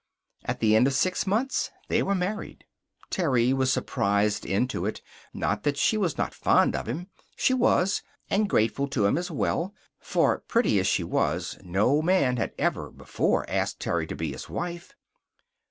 At the end of six months they were married. Terry was surprised into it. Not that she was not fond of him. She was; and grateful to him, as well. For, pretty as she was, no man had ever before asked Terry to be his wife.